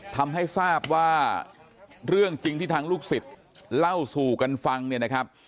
ทำให้ทราบว่าเรื่องจริงที่ทางลูกศิษย์เล่าสู่กันฟังเนี่ยนะครับ